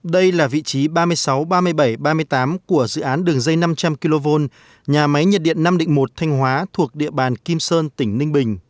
đây là vị trí ba mươi sáu ba mươi bảy ba mươi tám của dự án đường dây năm trăm linh kv nhà máy nhiệt điện năm định một thanh hóa thuộc địa bàn kim sơn tỉnh ninh bình